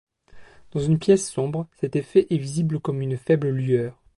Dans une pièce sombre, cet effet est visible comme une faible lueur.